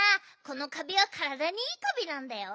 このカビはからだにいいカビなんだよ。